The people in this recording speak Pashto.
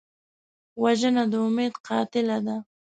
وژنه د امید قاتله ده